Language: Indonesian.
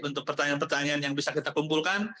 untuk pertanyaan pertanyaan yang bisa kita kumpulkan